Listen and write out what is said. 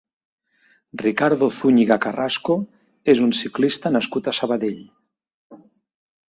Ricardo Zúñiga Carrasco és un ciclista nascut a Sabadell.